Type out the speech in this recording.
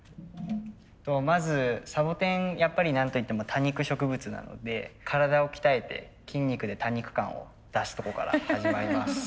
まずサボテンやっぱりなんといっても多肉植物なので体を鍛えて筋肉で多肉感を出すとこから始まります。